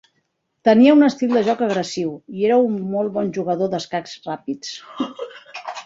Tenia un estil de joc agressiu, i era un molt bon jugador d'escacs ràpids.